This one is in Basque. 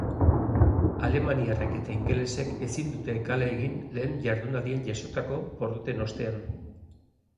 Alemaniarrek eta ingelesek ezin dute kale egin lehen jardunaldian jasotako porroten ostean.